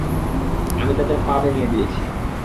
আমি তাদের পা ভেঙ্গে দিয়েছি।